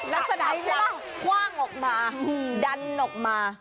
ลักษณะคว่างออกมาดันออกมา